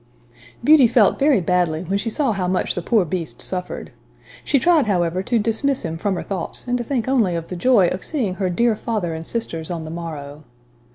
Beauty felt very badly when she saw how much the poor Beast suffered. She tried, however, to dismiss him from her thoughts, and to think only of the joy of seeing her dear father and sisters on the morrow.